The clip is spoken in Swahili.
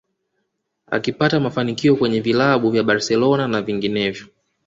Akipata mafanikio kwenye vilabu vya Barcelona na vinginevyo